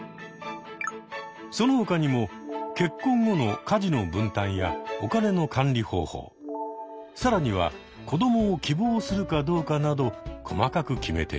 その他にも結婚後の家事の分担やお金の管理方法更には子どもを希望するかどうかなど細かく決めていく。